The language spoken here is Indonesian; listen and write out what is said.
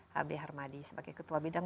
h b harmadi sebagai ketua bidang